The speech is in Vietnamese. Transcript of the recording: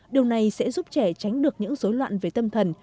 điều này sẽ giúp trẻ tránh được những dối loạn về tâm thần